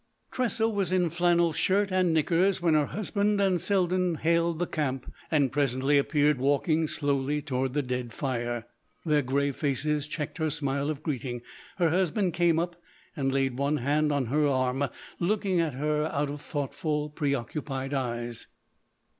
Tressa was in flannel shirt and knickers when her husband and Selden hailed the camp and presently appeared walking slowly toward the dead fire. Their grave faces checked her smile of greeting; her husband came up and laid one hand on her arm, looking at her out of thoughtful, preoccupied eyes.